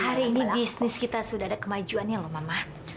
hari ini bisnis kita sudah ada kemajuannya loh mama